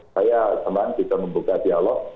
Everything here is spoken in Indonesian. saya teman kita membuka dialog